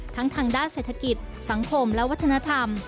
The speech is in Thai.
ทางด้านเศรษฐกิจสังคมและวัฒนธรรม